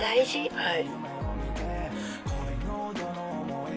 「はい」。